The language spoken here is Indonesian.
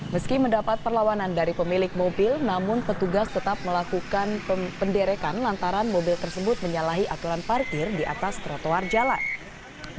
meski mendapat perlawanan dari pemilik mobil namun petugas tetap melakukan penderekan lantaran mobil tersebut menyalahi aturan parkir di atas trotoar jalan